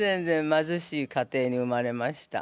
まずしい家庭に生まれました。